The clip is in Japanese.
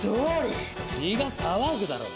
血が騒ぐだろう